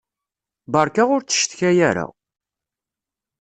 Beṛka ur ttcetkay ara!